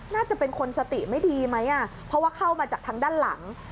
น่าจะเป็นคนสติไม่ดีไหมเพราะว่าเข้ามาจากทางด้านหลัง